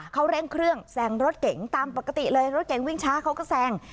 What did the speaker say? เขาเร่งเครื่องแซงรถเก๋งตามปกติเลยรถเก่งวิ่งช้าเขาก็แซง